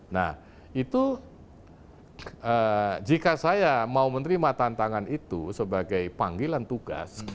nah itu jika saya mau menerima tantangan itu sebagai panggilan tugas